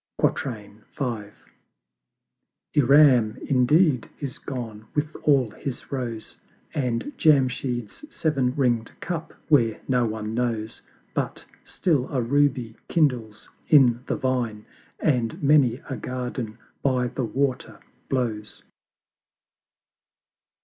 V. Iram indeed is gone with all his Rose, And Jamshyd's Sev'n ring'd Cup where no one knows; But still a Ruby kindles in the Vine, And many a Garden by the Water blows.